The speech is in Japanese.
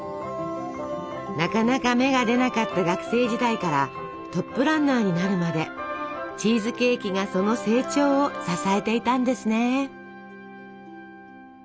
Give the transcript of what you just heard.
なかなか芽が出なかった学生時代からトップランナーになるまでチーズケーキがその成長を支えていたんですね。